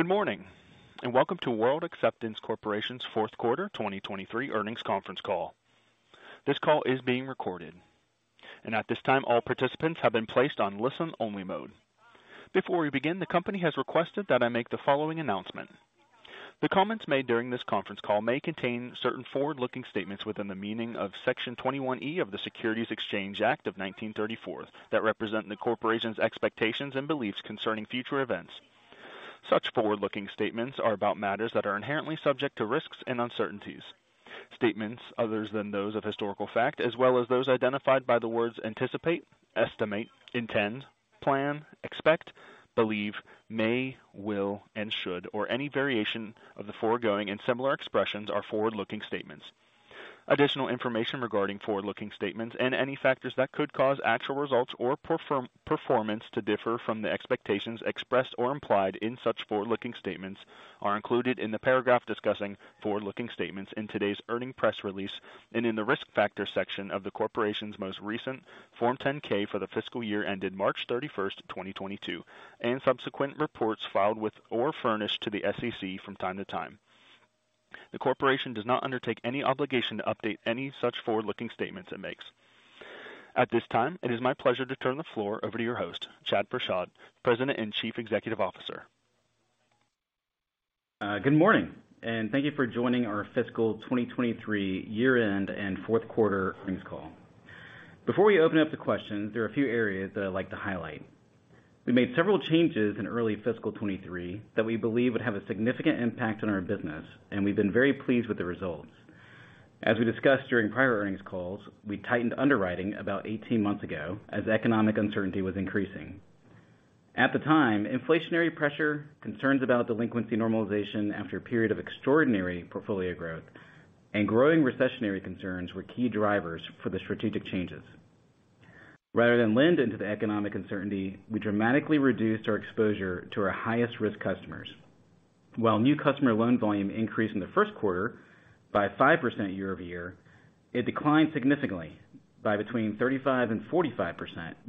Good morning, and welcome to World Acceptance Corporation's Fourth Quarter 2023 Earnings Conference Call. This call is being recorded. At this time, all participants have been placed on listen-only mode. Before we begin, the company has requested that I make the following announcement. The comments made during this conference call may contain certain forward-looking statements within the meaning of Section 21E of the Securities Exchange Act of 1934 that represent the Corporation's expectations and beliefs concerning future events. Such forward-looking statements are about matters that are inherently subject to risks and uncertainties. Statements other than those of historical fact, as well as those identified by the words anticipate, estimate, intend, plan, expect, believe, may, will, and should or any variation of the foregoing and similar expressions are forward-looking statements. Additional information regarding forward-looking statements and any factors that could cause actual results or performance to differ from the expectations expressed or implied in such forward-looking statements are included in the paragraph discussing forward-looking statements in today's earnings press release and in the Risk Factors section of the Corporation's most recent Form 10-K for the fiscal year ended March 31, 2022, and subsequent reports filed with or furnished to the SEC from time to time. The Corporation does not undertake any obligation to update any such forward-looking statements it makes. At this time, it is my pleasure to turn the floor over to your host, Chad Prashad, President and Chief Executive Officer. Good morning, and thank you for joining our fiscal 2023 year-end and fourth quarter earnings call. Before we open up the questions, there are a few areas that I'd like to highlight. We made several changes in early fiscal 2023 that we believe would have a significant impact on our business, and we've been very pleased with the results. As we discussed during prior earnings calls, we tightened underwriting about 18 months ago as economic uncertainty was increasing. At the time, inflationary pressure, concerns about delinquency normalization after a period of extraordinary portfolio growth, and growing recessionary concerns were key drivers for the strategic changes. Rather than lend into the economic uncertainty, we dramatically reduced our exposure to our highest-risk customers. While new customer loan volume increased in the first quarter by 5% year-over-year, it declined significantly by between 35% and 45%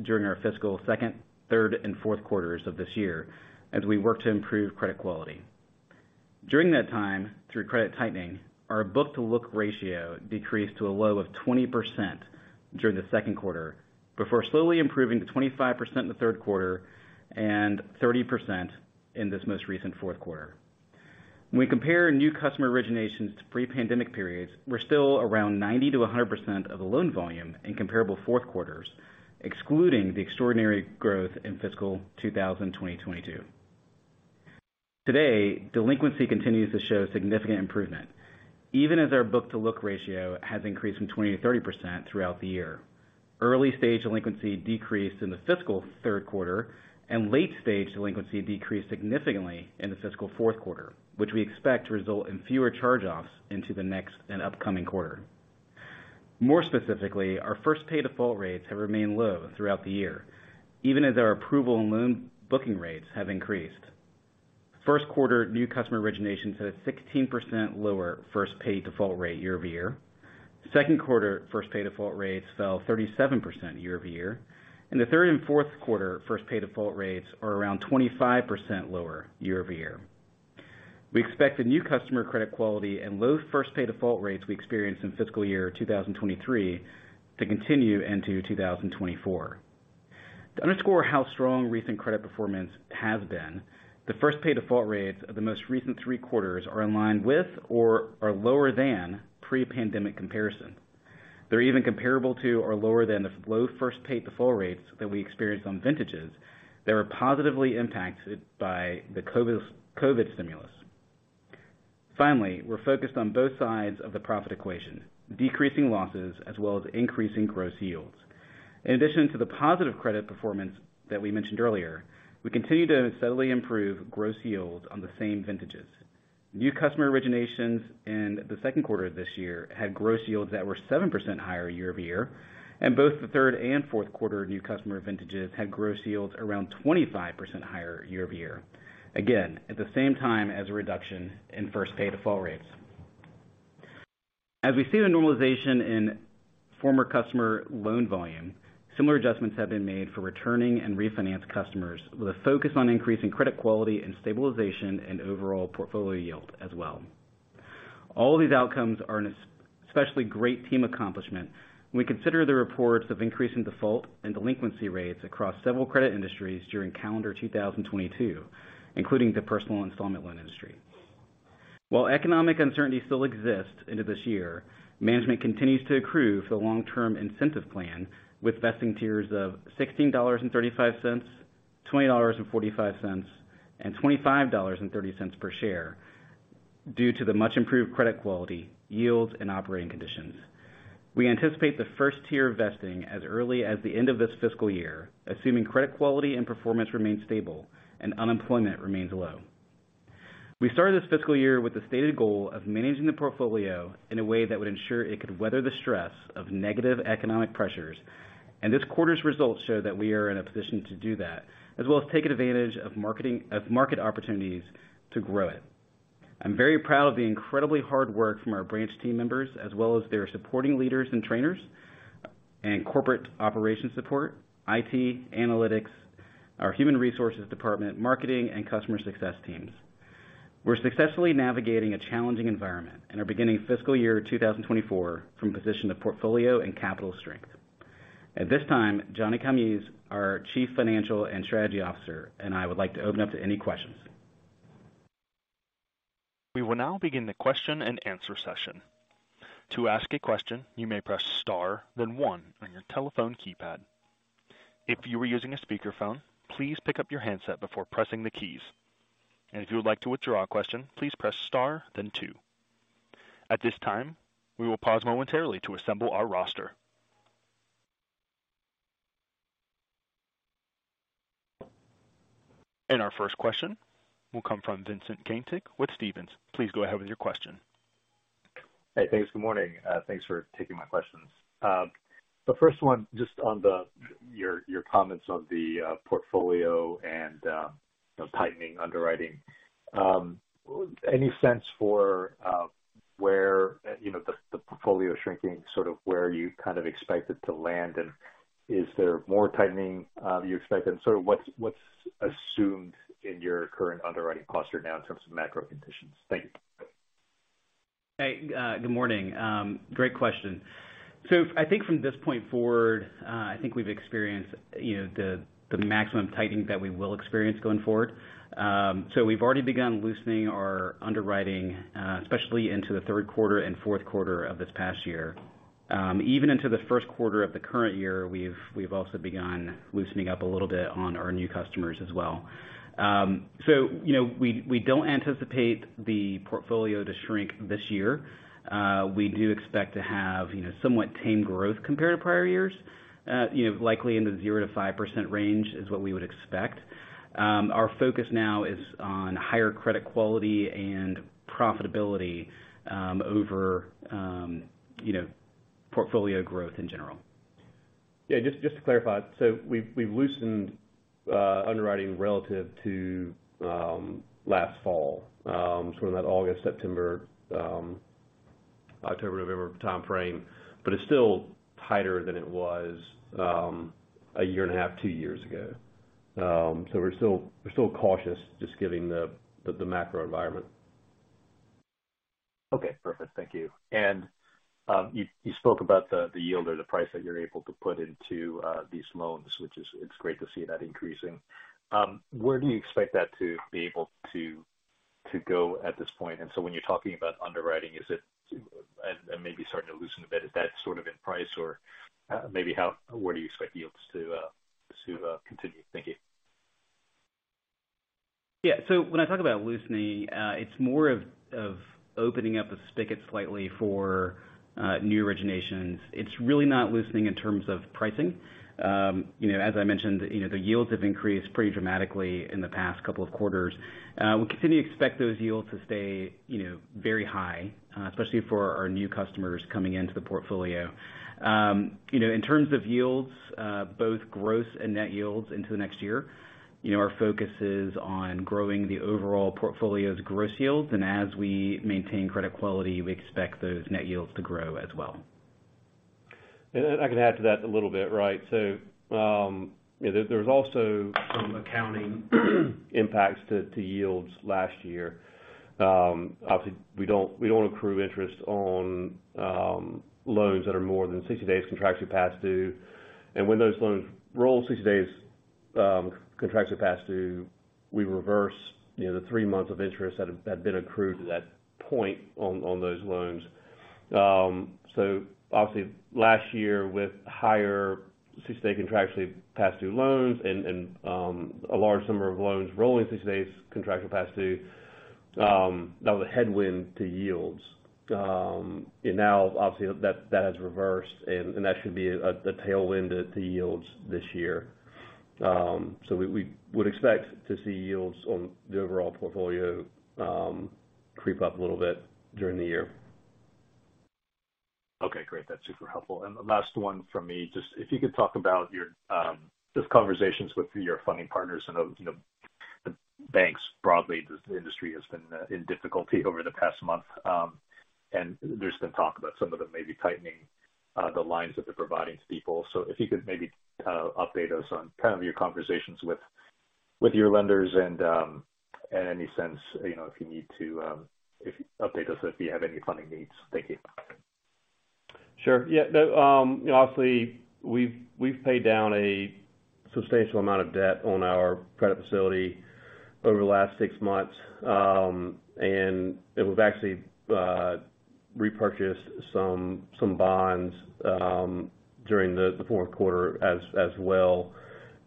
during our fiscal second, third, and fourth quarters of this year as we worked to improve credit quality. During that time, through credit tightening, our book-to-look ratio decreased to a low of 20% during the second quarter before slowly improving to 25% in the third quarter and 30% in this most recent fourth quarter. When we compare new customer originations to pre-pandemic periods, we're still around 90%-100% of the loan volume in comparable fourth quarters, excluding the extraordinary growth in fiscal 2022. Today, delinquency continues to show significant improvement even as our book-to-look ratio has increased from 20%-30% throughout the year. Early-stage delinquency decreased in the fiscal third quarter, and late-stage delinquency decreased significantly in the fiscal fourth quarter, which we expect to result in fewer charge-offs into the next and upcoming quarter. More specifically, our first-pay default rates have remained low throughout the year, even as our approval and loan booking rates have increased. First quarter new customer originations had a 16% lower first-pay default rate year-over-year. Second quarter first-pay default rates fell 37% year-over-year. The third and fourth quarter first-pay default rates are around 25% lower year-over-year. We expect the new customer credit quality and low first-pay default rates we experienced in fiscal year 2023 to continue into 2024. To underscore how strong recent credit performance has been, the first-pay default rates of the most recent three quarters are in line with or are lower than pre-pandemic comparisons. They're even comparable to or lower than the low first-pay default rates that we experienced on vintages that were positively impacted by the COVID stimulus. We're focused on both sides of the profit equation, decreasing losses as well as increasing gross yields. In addition to the positive credit performance that we mentioned earlier, we continue to steadily improve gross yields on the same vintages. New customer originations in the second quarter of this year had gross yields that were 7% higher year-over-year, and both the third and fourth quarter new customer vintages had gross yields around 25% higher year-over-year. Again, at the same time as a reduction in first-pay default rates. As we see the normalization in former customer loan volume, similar adjustments have been made for returning and refinance customers with a focus on increasing credit quality and stabilization and overall portfolio yield as well. All of these outcomes are especially great team accomplishment when we consider the reports of increasing default and delinquency rates across several credit industries during calendar 2022, including the personal installment loan industry. While economic uncertainty still exists into this year, management continues to accrue for the long-term incentive plan with vesting tiers of $16.35, $20.45, and $25.30 per share due to the much improved credit quality, yields, and operating conditions. We anticipate the first tier vesting as early as the end of this fiscal year, assuming credit quality and performance remain stable and unemployment remains low. We started this fiscal year with a stated goal of managing the portfolio in a way that would ensure it could weather the stress of negative economic pressures, and this quarter's results show that we are in a position to do that, as well as taking advantage of market opportunities to grow it. I'm very proud of the incredibly hard work from our branch team members as well as their supporting leaders and trainers and corporate operations support, IT, analytics, our human resources department, marketing, and customer success teams. We're successfully navigating a challenging environment and are beginning fiscal year 2024 from a position of portfolio and capital strength. At this time, John Calmes, our Chief Financial and Strategy Officer, and I would like to open up to any questions. We will now begin the question-and-answer session. To ask a question, you may press star, then one on your telephone keypad. If you are using a speakerphone, please pick up your handset before pressing the keys. If you would like to withdraw a question, please press star then two. At this time, we will pause momentarily to assemble our roster. Our first question will come from Vincent Caintic with Stephens. Please go ahead with your question. Hey, thanks. Good morning. Thanks for taking my questions. The first one, just on your comments on the portfolio and tightening underwriting. Any sense for where, you know, the portfolio is shrinking, sort of where you kind of expect it to land? Is there more tightening, you expect? Sort of what's assumed in your current underwriting cluster now in terms of macro conditions? Thank you. Hey, good morning. Great question. I think from this point forward, I think we've experienced, you know, the maximum tightening that we will experience going forward. We've already begun loosening our underwriting, especially into the third quarter and fourth quarter of this past year. Even into the first quarter of the current year, we've also begun loosening up a little bit on our new customers as well. You know, we don't anticipate the portfolio to shrink this year. We do expect to have, you know, somewhat tame growth compared to prior years, you know, likely in the 0%-5% range is what we would expect. Our focus now is on higher credit quality and profitability, over, you know, portfolio growth in general. Just to clarify. We've loosened underwriting relative to last fall, sort of that August, September, October, November timeframe, but it's still tighter than it was a year and a half, two years ago. We're still cautious just given the macro environment. Okay. Perfect. Thank you. You spoke about the yield or the price that you're able to put into these loans, which it's great to see that increasing. Where do you expect that to be able to go at this point? When you're talking about underwriting, is it and maybe starting to loosen a bit, is that sort of in price or maybe where do you expect yields to continue? Thank you. Yeah. When I talk about loosening, it's more of opening up the spigot slightly for new originations. It's really not loosening in terms of pricing. You know, as I mentioned, you know, the yields have increased pretty dramatically in the past couple of quarters. We continue to expect those yields to stay, you know, very high, especially for our new customers coming into the portfolio. You know, in terms of yields, both gross and net yields into the next year, you know, our focus is on growing the overall portfolio's gross yields. As we maintain credit quality, we expect those net yields to grow as well. I can add to that a little bit, right? You know, there's also some accounting impacts to yields last year. Obviously, we don't, we don't accrue interest on loans that are more than 60 days contractually past due. When those loans roll 60 days contractually past due, we reverse, you know, the three months of interest that had been accrued to that point on those loans. Obviously, last year, with higher 60-day contractually past due loans and a large number of loans rolling 60 days contractual past due, that was a headwind to yields. Now obviously that has reversed and that should be a tailwind to yields this year. We would expect to see yields on the overall portfolio, creep up a little bit during the year. Okay, great. That's super helpful. The last one from me, just if you could talk about your conversations with your funding partners and of, you know, the banks broadly. The industry has been in difficulty over the past month, there's been talk about some of them maybe tightening the lines that they're providing to people. If you could maybe update us on kind of your conversations with your lenders, any sense, you know, if you need to update us if you have any funding needs. Thank you. Sure. Yeah. The, you know, obviously, we've paid down a substantial amount of debt on our credit facility over the last six months. We've actually repurchased some bonds during the fourth quarter as well.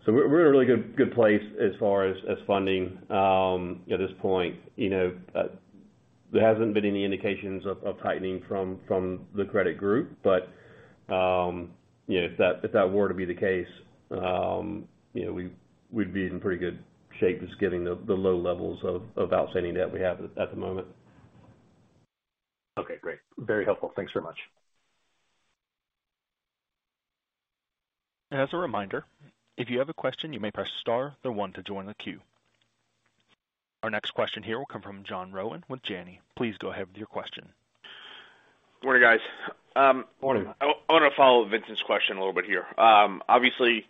We're in a really good place as far as funding at this point. You know, there hasn't been any indications of tightening from the credit group. You know, if that were to be the case, you know, we'd be in pretty good shape just giving the low levels of outstanding debt we have at the moment. Okay, great. Very helpful. Thanks very much. As a reminder, if you have a question, you may press star then one to join the queue. Our next question here will come from John Rowan with Janney. Please go ahead with your question. Morning, guys. Morning. I wanna follow Vincent's question a little bit here. Obviously,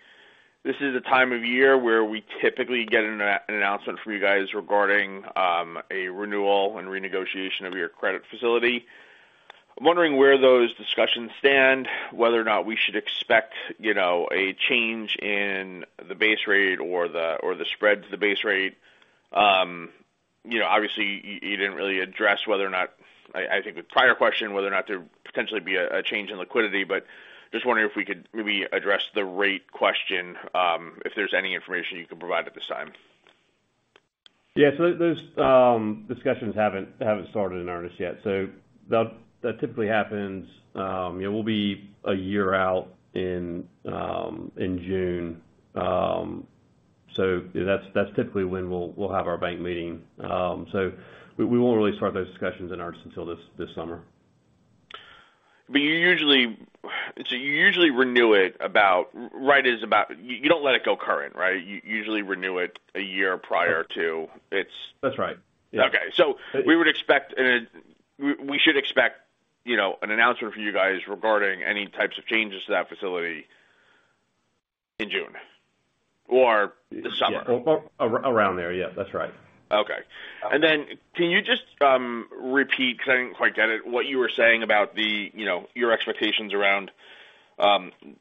this is the time of year where we typically get an announcement from you guys regarding a renewal and renegotiation of your credit facility. I'm wondering where those discussions stand, whether or not we should expect, you know, a change in the base rate or the spread to the base rate. You know, obviously you didn't really address whether or not. I think the prior question, whether or not there'd potentially be a change in liquidity. Just wondering if we could maybe address the rate question, if there's any information you can provide at this time? Yeah. Those discussions haven't started in earnest yet. That typically happens, you know, we'll be a year out in June. That's typically when we'll have our bank meeting. We won't really start those discussions in earnest until this summer. You usually renew it. You don't let it go current, right? You usually renew it a year prior to its- That's right. Yeah. Okay. We should expect, you know, an announcement from you guys regarding any types of changes to that facility in June or this summer. Yeah. Well, around there. Yes, that's right. Okay. Can you just repeat, 'cause I didn't quite get it, what you were saying about the, you know, your expectations around,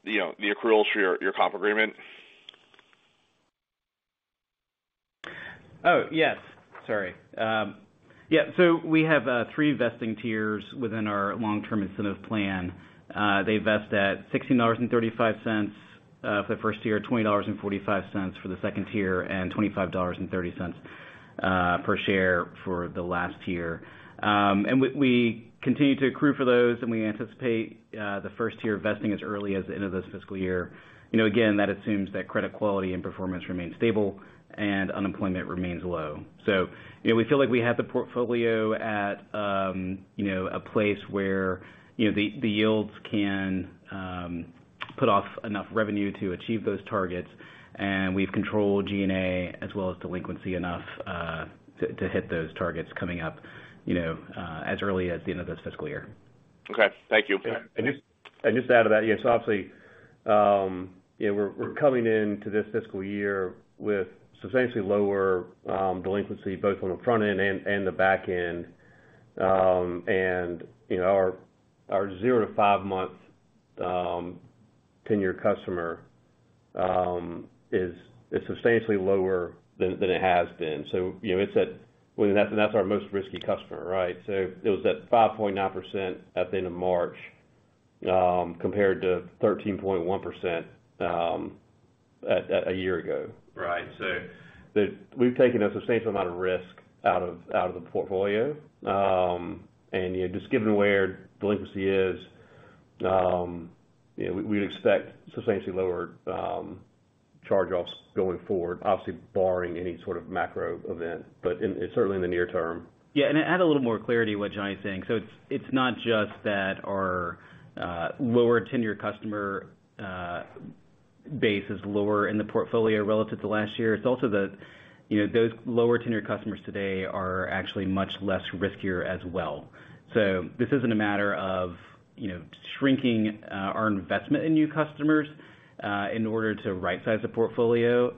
you know, the accruals for your comp agreement? Yes. Sorry. We have three vesting tiers within our long-term incentive plan. They vest at $16.35 for the first tier, $20.45 for the second tier, and $25.30 per share for the last tier. And we continue to accrue for those, and we anticipate the first tier vesting as early as the end of this fiscal year. You know, again, that assumes that credit quality and performance remains stable and unemployment remains low. You know, we feel like we have the portfolio at, you know, a place where, you know, the yields can put off enough revenue to achieve those targets. We've controlled G&A as well as delinquency enough, to hit those targets coming up, you know, as early as the end of this fiscal year. Okay, thank you. Just to add to that. Obviously, we're coming into this fiscal year with substantially lower delinquency, both on the front end and the back end. You know, our zero to five-month tenure customer is substantially lower than it has been. You know, that's our most risky customer, right? It was at 5.9% at the end of March, compared to 13.1% a year ago. Right. We've taken a substantial amount of risk out of the portfolio. You know, just given where delinquency is, you know, we expect substantially lower charge-offs going forward, obviously barring any sort of macro event, but certainly in the near term. Yeah. To add a little more clarity to what Johnny's saying. It's, it's not just that our lower tenure customer base is lower in the portfolio relative to last year. It's also that, you know, those lower tenure customers today are actually much less riskier as well. This isn't a matter of, you know, shrinking our investment in new customers in order to right-size the portfolio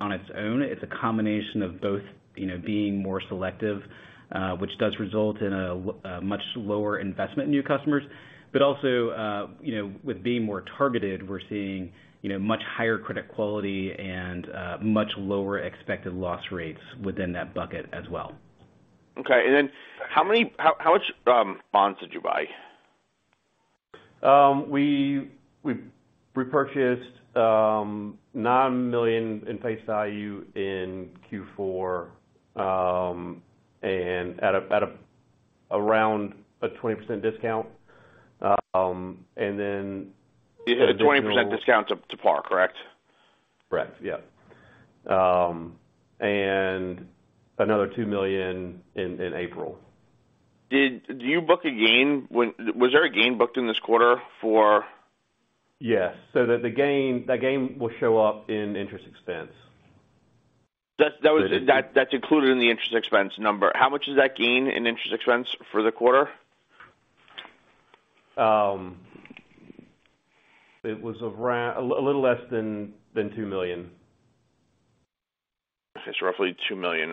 on its own. It's a combination of both, you know, being more selective, which does result in a much lower investment in new customers. Also, you know, with being more targeted, we're seeing, you know, much higher credit quality and much lower expected loss rates within that bucket as well. Okay. How much bonds did you buy? We repurchased, $9 million in face value in Q4, and at a around a 20% discount. Yeah. 20% discount to par, correct? Correct, yes. Another $2 million in April. Do you book a gain when... Was there a gain booked in this quarter? Yes. The gain, that gain will show up in interest expense. That's. So it- That's included in the interest expense number. How much is that gain in interest expense for the quarter? It was around... A little less than $2 million. Roughly $2 million.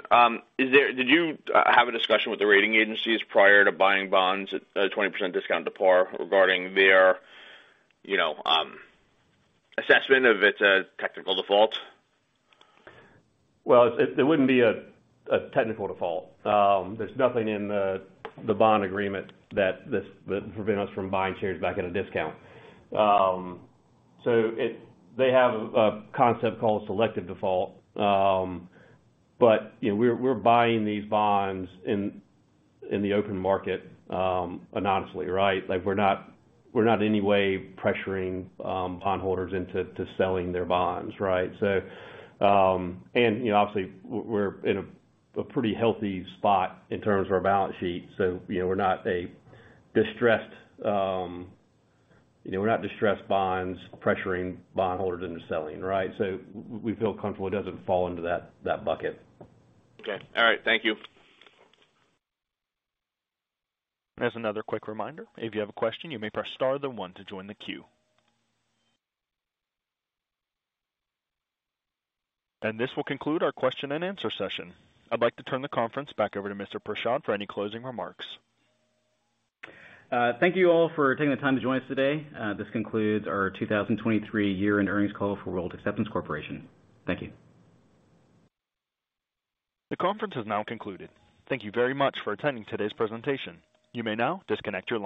Did you have a discussion with the rating agencies prior to buying bonds at a 20% discount to par regarding their, you know, assessment if it's a technical default? It wouldn't be a technical default. There's nothing in the bond agreement that prevent us from buying shares back at a discount. They have a concept called Selective Default. You know, we're buying these bonds in the open market, anonymously, right? Like, we're not in any way pressuring bondholders into selling their bonds, right? You know, obviously, we're in a pretty healthy spot in terms of our balance sheet. You know, we're not a distressed, you know, we're not distressed bonds pressuring bondholders into selling, right? We feel comfortable it doesn't fall into that bucket. Okay. All right. Thank you. As another quick reminder, if you have a question, you may press star then one to join the queue. This will conclude our question and answer session. I'd like to turn the conference back over to Mr. Prashad for any closing remarks. Thank you all for taking the time to join us today. This concludes our 2023 year-end earnings call for World Acceptance Corporation. Thank you. The conference has now concluded. Thank you very much for attending today's presentation. You may now disconnect your line.